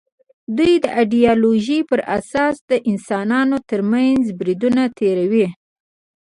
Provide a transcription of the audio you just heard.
دوی د ایدیالوژۍ پر اساس د انسانانو تر منځ بریدونه تېروي